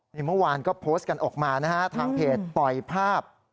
นี่เมื่อวานก็โพสต์กันออกมานะฮะทางเพจปล่อยภาพ